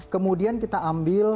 kemudian kita ambil